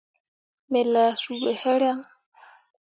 Me lah suu ɓe hǝraŋ.